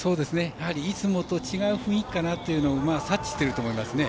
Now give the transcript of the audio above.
いつもと違う雰囲気かなというのは馬は察知していると思いますね。